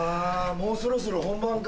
もうそろそろ本番か。